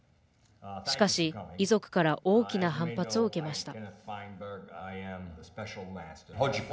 しかし、遺族から大きな反発を受けました。